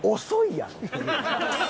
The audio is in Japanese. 遅いやろ。